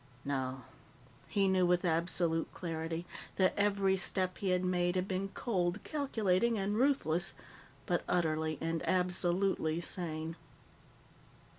No. He knew with absolute clarity that every step he had made had been cold, calculating, and ruthless, but utterly and absolutely sane.